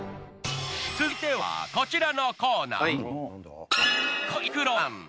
続いてはこちらのコーナー。